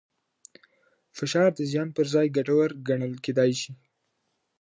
فشار د زیان پر ځای ګټور ګڼل کېدای شي.